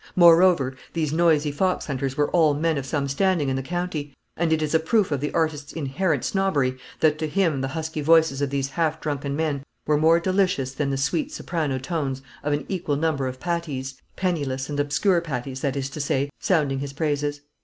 Moreover, these noisy foxhunters were all men of some standing in the county; and it is a proof of the artist's inherent snobbery that to him the husky voices of these half drunken men were more delicious than the sweet soprano tones of an equal number of Pattis penniless and obscure Pattis, that is to say sounding his praises.